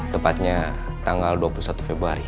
tepatnya tanggal dua puluh satu februari